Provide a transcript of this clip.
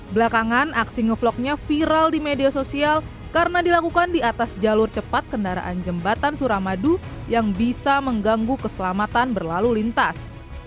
belakangan aksi ngevlognya viral di media sosial karena dilakukan di atas jalur cepat kendaraan jembatan suramadu yang bisa mengganggu keselamatan berlalu lintas